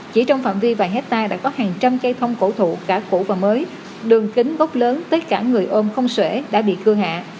chỉ trong phạm vi vài hectare đã có hàng trăm cây thông cổ thụ cả củ và mới đường kính gốc lớn tất cả người ôm không sể đã bị cưa hạ